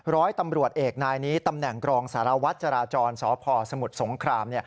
ร้อยตำรวจเอกนายนี้ตำแหน่งกรองสารวัตรจราจรสพสมุทรสงคราม